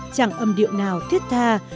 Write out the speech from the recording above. chẳng âm điệu nào thiết tha